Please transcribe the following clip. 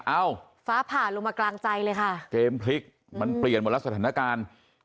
เอ้าฟ้าผ่าลงมากลางใจเลยค่ะเกมพลิกมันเปลี่ยนหมดแล้วสถานการณ์